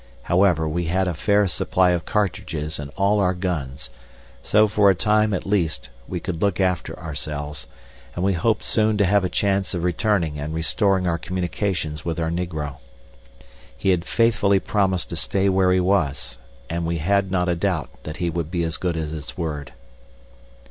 However, we had a fair supply of cartridges and all our guns, so, for a time at least, we could look after ourselves, and we hoped soon to have a chance of returning and restoring our communications with our negro. He had faithfully promised to stay where he was, and we had not a doubt that he would be as good as his word.